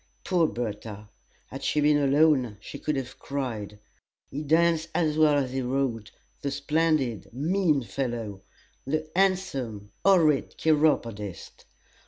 Poor Bertha! had she been alone she could have cried. He danced as well as he rode the splendid, mean fellow! the handsome, horrid chiropodist!